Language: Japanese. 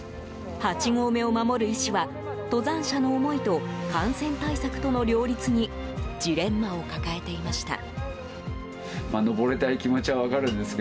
八合目を守る医師は登山者の思いと感染対策との両立にジレンマを抱えていました。